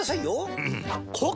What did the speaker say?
うん！